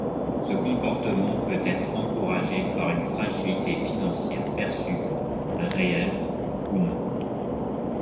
Ce comportement peut être encouragé par une fragilité financière perçue, réelle ou non.